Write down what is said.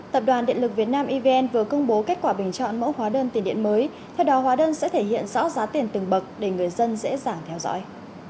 tập đoàn điện lực việt nam evn vừa công bố kết quả bình chọn mẫu hóa đơn tiền điện mới theo đó hóa đơn sẽ thể hiện rõ giá tiền từng bậc để người dân dễ dàng theo dõi